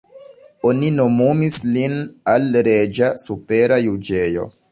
Oni nomumis lin al reĝa supera juĝejo.